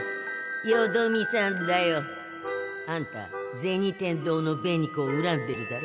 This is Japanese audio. よどみさんだよ。あんた銭天堂の紅子をうらんでるだろ？